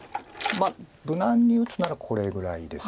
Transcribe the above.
まあ無難に打つならこれぐらいです。